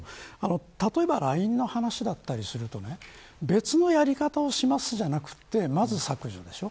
例えばＬＩＮＥの話だったりすると別のやり方をします、じゃなくてまず削除でしょ。